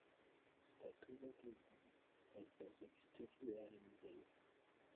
Statuo de li estas ekster la enirejo.